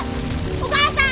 お母さん！